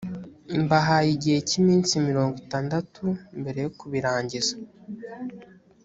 mbahaye igihe cy iminsi mirongo itandatu mbere yo kubirangiza